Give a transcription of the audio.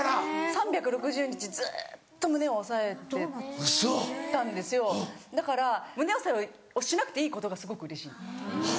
３６０日ずっと胸をおさえてたんですよだから胸おさえをしなくていいことがすごくうれしい。